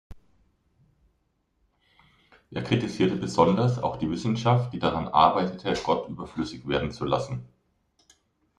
Er kritisierte besonders auch die Wissenschaft, die daran arbeite, Gott überflüssig werden zu lassen.